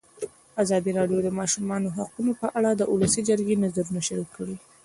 ازادي راډیو د د ماشومانو حقونه په اړه د ولسي جرګې نظرونه شریک کړي.